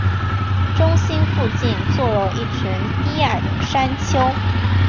中心附近坐落了一群低矮的山丘。